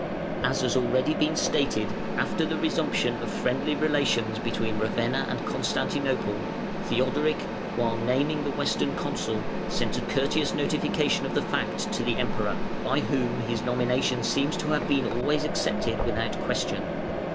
As has been already stated, after the resumption of friendly relations between Ravenna and Constantinople, Theodoric, while naming the Western Consul, sent a courteous notification of the fact to the Emperor, by whom his nomination seems to have been always accepted without question.